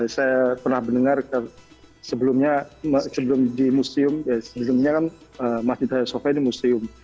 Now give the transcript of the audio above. saya pernah mendengar sebelumnya di museum sebelumnya kan masjid haya sofia ini museum